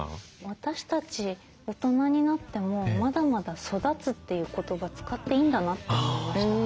私たち大人になってもまだまだ「育つ」という言葉使っていいんだなって思いました。